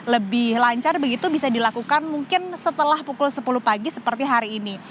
lebih lancar begitu bisa dilakukan mungkin setelah pukul sepuluh pagi seperti hari ini